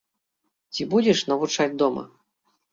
Ці будзеш навучаць дома?